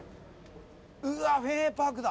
うわー、フェンウェイ・パークだ。